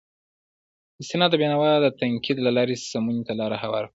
استناد بینوا د تنقید له لارې سمونې ته لار هواره کړه.